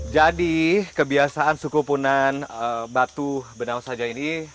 jadi kebiasaan suku punan batu benau sajau ini